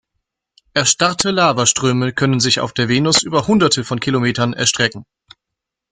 Erstarrte Lavaströme können sich auf der Venus über hunderte von Kilometern erstrecken.